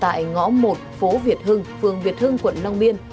tại ngõ một phố việt hưng phường việt hưng quận long biên